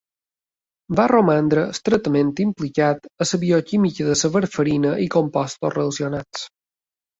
Va romandre estretament implicat en la bioquímica de la warfarina i compostos relacionats.